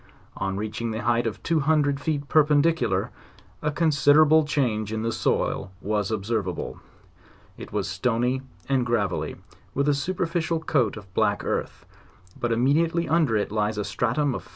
On reaching the height of two hundred feet perpendicular, a considerable change in the soil was observable; it was stony and gravel ly, with a superficial coat of black earth, but immediately under it lies a stratum of